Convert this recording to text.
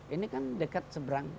ini kan dekat seberang